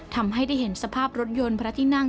ทำให้ได้เห็นสภาพรถยนต์พระที่นั่ง